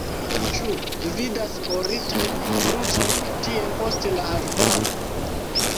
Ĉu vi vidas oritajn krucojn tie post la arbaro?